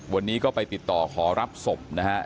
วันนี้ก็ไปติดต่อขอรับศพนะฮะ